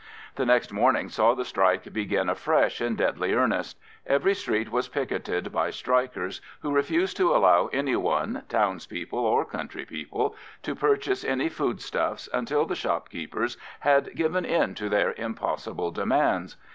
The next morning saw the strike begin afresh in deadly earnest. Every street was picketed by strikers, who refused to allow any one, townspeople or country people, to purchase any foodstuffs until the shopkeepers had given in to their impossible demands.